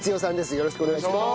よろしくお願いします！